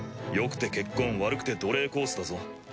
よくて結婚悪くて奴隷コースだぞ。